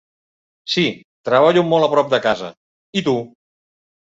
Sí, treballo molt a prop de casa. I tu?